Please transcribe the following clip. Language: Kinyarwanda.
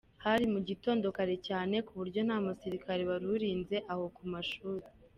Hari mu gitondo kare cyane ku buryo nta musirikare wari urinze aho ku mashuri.